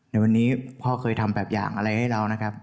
ในวันนี้พ่อเคยทำแบบอย่างอะไรให้เรานะครับ